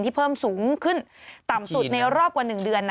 เพิ่มสูงขึ้นต่ำสุดในรอบกว่า๑เดือน